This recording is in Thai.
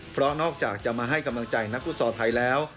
เพราะนอกจากจะมาให้กำลังใจนักฟุตซอลไทยแล้ว